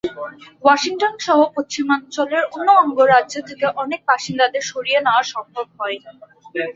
ওয়াশিংটনসহ পশ্চিমাঞ্চলের অন্য অঙ্গরাজ্য থেকে এখনো অনেক বাসিন্দাদের সরিয়ে নেওয়া সম্ভব হয়নি।